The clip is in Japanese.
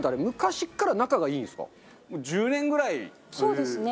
そうですね。